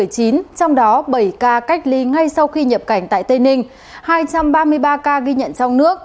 trong đó bảy ca cách ly ngay sau khi nhập cảnh tại tây ninh hai trăm ba mươi ba ca ghi nhận trong nước